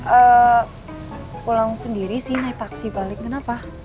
eh pulang sendiri sih naik taksi balik kenapa